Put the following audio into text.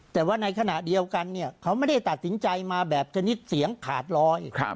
แต่ว่าในขณะเดียวกันเนี่ยเขาไม่ได้ตัดสินใจมาแบบชนิดเสียงขาดลอย